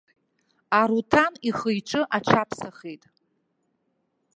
Аруҭан ихы-иҿы аҽаԥсахит.